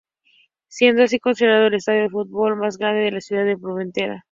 Siendo así considerado el estadio de futbol más grande de la ciudad de Pontevedra.